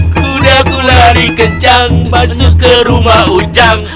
kuda ku lari kencang masuk ke rumah ujang